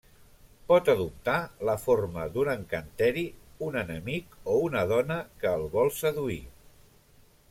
Pot adoptar la forma d'un encanteri, un enemic o una dona que el vol seduir.